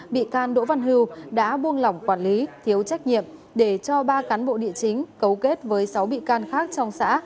bị can đỗ văn hưu đã buông lỏng quản lý thiếu trách nhiệm để cho ba cán bộ địa chính cấu kết với sáu bị can khác trong xã